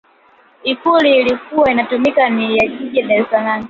ikulu iliyokuwa inatumika ni ya jijini dar es salaam